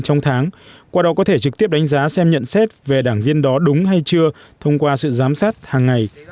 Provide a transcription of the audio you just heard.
trong tháng qua đó có thể trực tiếp đánh giá xem nhận xét về đảng viên đó đúng hay chưa thông qua sự giám sát hàng ngày